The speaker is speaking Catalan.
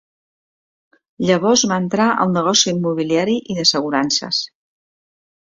Llavors va entrar al negoci immobiliari i d'assegurances.